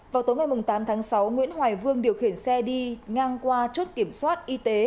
vào tối ngày tám tháng sáu nguyễn hoài vương điều khiển xe đi ngang qua chốt kiểm soát y tế